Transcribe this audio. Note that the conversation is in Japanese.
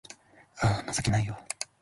あぁ、情けないよ